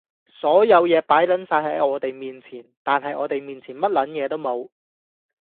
所有野擺撚晒喺我哋面前，但係我哋面前乜撚嘢都冇！